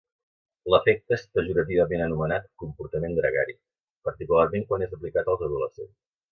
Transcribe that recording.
L'efecte és pejorativament anomenat comportament gregari, particularment quan és aplicat als adolescents.